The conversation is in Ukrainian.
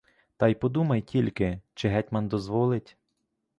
Та й подумай тільки, чи гетьман дозволить.